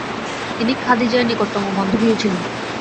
তিনি খাদিজা এর নিকটতম বান্ধবীও ছিলেন।